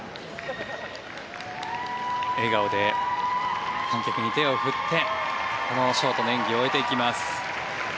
笑顔で観客に手を振ってこのショートの演技を終えていきます。